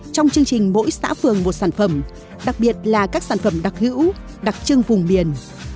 trong chương trình mỗi xã phường một sản phẩm đặc biệt là các sản phẩm đặc hữu đặc trưng vùng miền